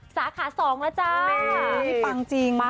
สาขา๒แล้วจ้า